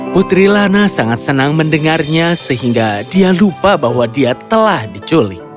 putri lana sangat senang mendengarnya sehingga dia lupa bahwa dia telah diculik